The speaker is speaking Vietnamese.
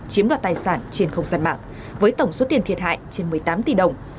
chiếm đoạt tài sản trên không gian mạng với tổng số tiền thiệt hại trên một mươi tám tỷ đồng